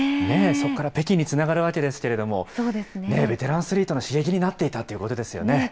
そこから北京につながるわけですけれども、ベテランアスリートの刺激になっていたということですよね。